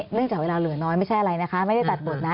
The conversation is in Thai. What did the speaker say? จากเวลาเหลือน้อยไม่ใช่อะไรนะคะไม่ได้ตัดบทนะ